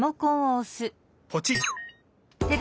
ポチッ！